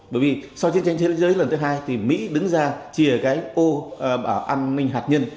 bởi vì sau chiến tranh thế giới lần thứ hai thì mỹ đứng ra chia cái ô bảo an ninh hạt nhân